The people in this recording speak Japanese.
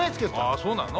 あそうなの？